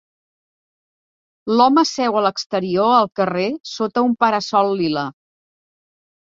L'home seu a l'exterior al carrer sota un para-sol lila